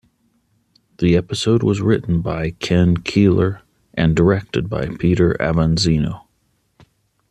The episode was written by Ken Keeler and directed by Peter Avanzino.